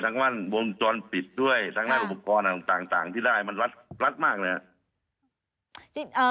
ทั้งว่าวงจรปิดด้วยทั้งว่าอุปกรณ์ต่างที่ได้มันรัดรัดมากเลยฮะ